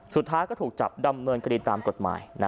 สุดท้ายก็ถูกจับที่ตัดสมบูรณ์